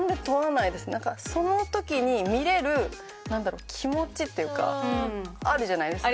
なんかその時に見れる気持ちっていうかあるじゃないですか。